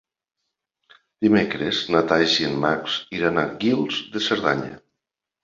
Dimecres na Thaís i en Max iran a Guils de Cerdanya.